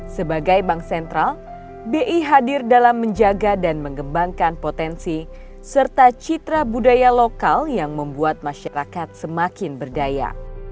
sebagai bank sentral bi hadir dalam menjaga dan mengembangkan potensi serta citra budaya lokal yang membuat masyarakat semakin berdaya